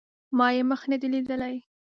ما یې مخ نه دی لیدلی